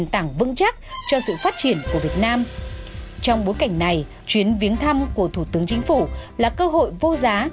tướng chính phủ là cơ hội vô giá